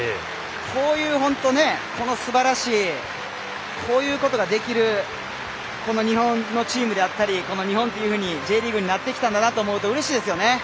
こういうすばらしいことができる日本のチームであったり日本というふうにＪリーグになってきたんだなと思うとうれしいですよね。